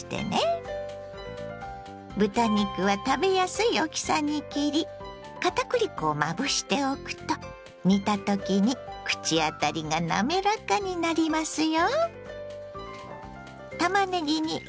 豚肉は食べやすい大きさに切り片栗粉をまぶしておくと煮たときに口当たりがなめらかになりますよ。